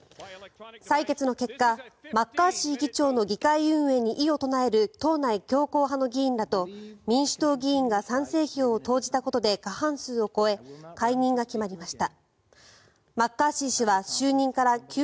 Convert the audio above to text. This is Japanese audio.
採決の結果マッカーシー議長の議会運営に異を唱える党内強硬派の議員らと民主党議員が賛成票を投じたことで過半数を超え解任が決まりました。